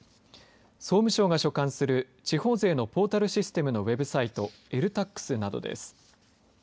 総務省が所管する地方税のポータルシステムのウェブサイトｅＬＴＡＸなどです。